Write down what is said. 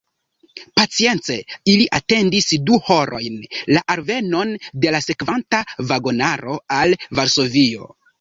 Pacience ili atendis du horojn la alvenon de la sekvanta vagonaro al Varsovio.